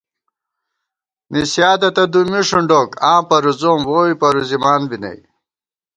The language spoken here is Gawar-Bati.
نِسِیادَہ تہ دُمّی ݭُنڈوک آں پروزوم ووئی پروزِمان بی نئ